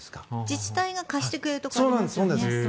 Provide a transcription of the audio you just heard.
自治体が貸してくれるところありますよね。